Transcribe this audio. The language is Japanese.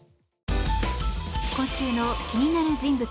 今週の気になる人物